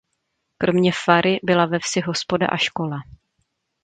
Kromě fary byla ve vsi hospoda a škola.